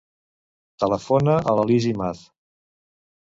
Telefona a la Lis Imaz.